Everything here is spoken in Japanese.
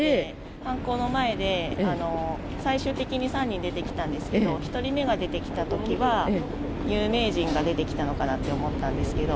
犯行の前で、最終的に３人出てきたんですけど、１人目が出てきたときは、有名人が出てきたのかなって思ったんですけど。